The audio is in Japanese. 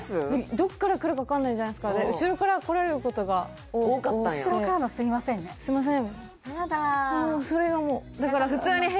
どっから来るか分かんないじゃないですか後ろから来られることが多かったんや後ろからの「すいません」ね「すいません」